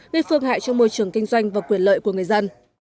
gây phương hại trong môi trường kinh doanh và quyền lợi của người dân